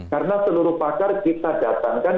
karena seluruh pakar kita datangkan